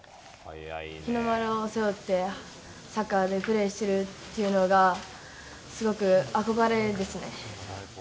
日の丸を背負ってサッカーでプレーしてるっていうのが、すごく憧れですね。